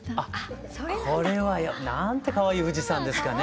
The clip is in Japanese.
これはなんてかわいい富士山ですかね。